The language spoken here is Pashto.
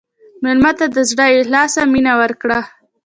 مېلمه ته د زړه له اخلاصه مینه ورکړه.